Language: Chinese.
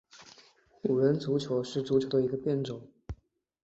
五人足球是足球的一个变种。